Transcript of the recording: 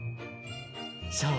そう。